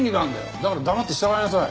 だから黙って従いなさい。